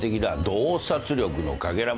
洞察力のかけらもない。